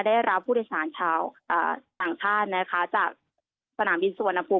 ได้รับผู้โดยสารชาวอ่าต่างท่านนะคะจากผนามบินสวนอพูม